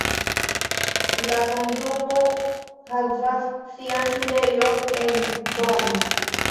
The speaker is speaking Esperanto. La Fondumo havas sian sidejon en Bonn.